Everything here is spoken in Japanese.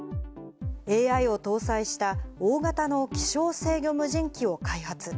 ＡＩを搭載した大型の気象制御無人機を開発。